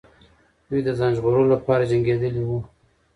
دوی د ځان ژغورلو لپاره جنګېدلې وو.